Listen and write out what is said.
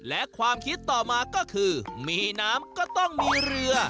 และความคิดต่อมาก็คือมีน้ำก็ต้องมีเรือ